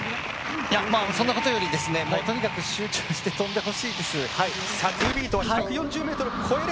そんなことよりですねとにかく集中して飛んでほしいです。